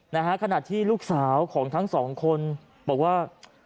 นะฮะขณะที่ลูกสาวของทั้งสองคนบอกว่า